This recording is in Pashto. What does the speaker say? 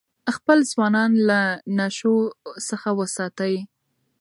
خپل ځوانان له نشو څخه وساتئ.